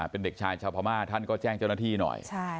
เป็นเด็กชายชาวพม่าท่านก็แจ้งเจ้าหน้าที่หน่อย